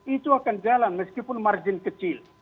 itu akan jalan meskipun margin kecil